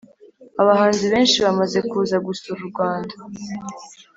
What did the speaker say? Abahanzi benshi bamaze kuza gusura urwanda